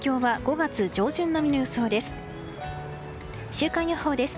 週間予報です。